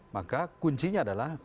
maka kuncinya adalah